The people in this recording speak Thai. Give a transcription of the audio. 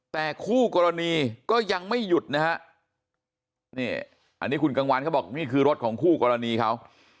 แต่คู่กรณีก็ยังไม่หยุดนะฮะนี่อันนี้คุณกังวานเขาบอกนี่คือรถของคู่กรณีเขา